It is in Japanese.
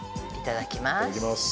いただきます。